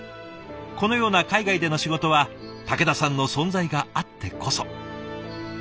このような海外での仕事は武田さんの存在があってこそ。